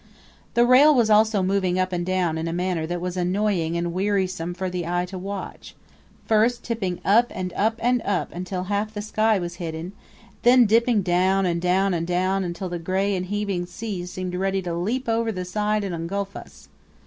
The rail was also moving up and down in a manner that was annoying and wearisome for the eye to watch first tipping up and up and up until half the sky was hidden, then dipping down and down and down until the gray and heaving sea seemed ready to leap over the side and engulf us.